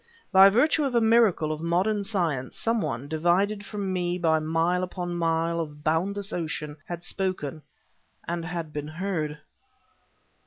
By virtue of a miracle of modern science, some one, divided from me by mile upon mile of boundless ocean, had spoken and had been heard.